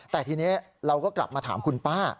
แต่ทีนี้เราก็กลับมาถามคุณป้า